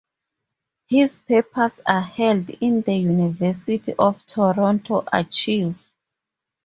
His papers are held in the University of Toronto archive.